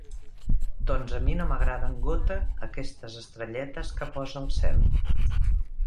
Doncs a mi no m'agraden gota aquestes estrelletes que posa al cel.